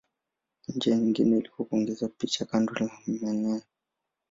Njia nyingine ilikuwa kuongeza picha kando la maneno.